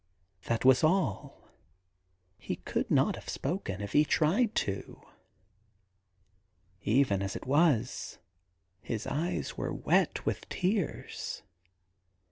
That was all : he could not have spoken if he had tried to: even as it was his eyes were wet with tears.